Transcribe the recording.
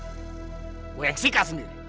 gue yang sikat sendiri